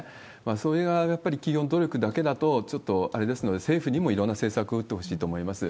それがやっぱり企業努力だけだと、ちょっとあれですので、政府にもいろんな政策を打ってほしいと思います。